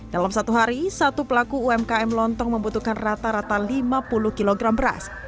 dalam satu hari satu pelaku umkm lontong membutuhkan rata rata lima puluh kg beras